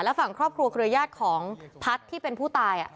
ฝั่งครอบครัวเครือญาติของพัฒน์ที่เป็นผู้ตาย